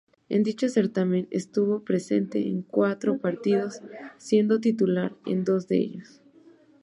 En dicho certamen, estuvo presente en cuatro partidos, siendo titular en dos de ellos.